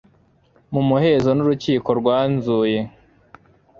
mu muhezo nurukiko rwanzuye